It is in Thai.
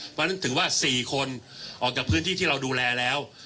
เพราะฉะนั้นถือว่า๔คนออกจากพื้นที่ที่เราดูแลแล้ว